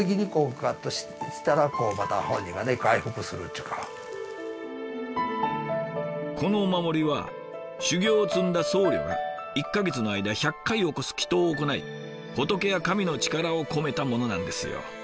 それがこのお守りは修行を積んだ僧侶が１か月の間１００回を超す祈とうを行い仏や神の力を込めたものなんですよ。